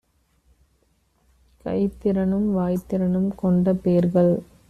கைத்திறனும் வாய்த்திறனும் கொண்டபேர்கள்